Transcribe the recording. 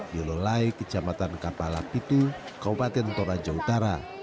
di lulai kejamatan kapala pitu kabupaten toraja utara